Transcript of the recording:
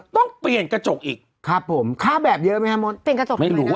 ต้องเปลี่ยนกระจกอีกครับผมค่าแบบเยอะไหมครับมนตร์